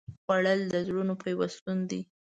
خوړل د زړونو پیوستون دی